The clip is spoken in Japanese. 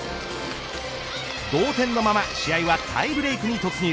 同点のまま試合はタイブレークに突入。